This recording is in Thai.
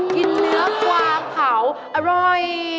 กินเนื้อปลาเผาอร่อย